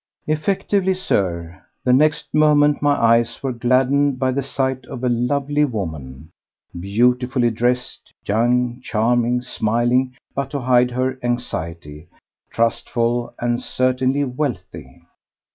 Effectively, Sir, the next moment my eyes were gladdened by the sight of a lovely woman, beautifully dressed, young, charming, smiling but to hide her anxiety, trustful, and certainly wealthy.